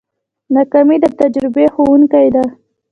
ناکامي د تجربې ښوونکې ده.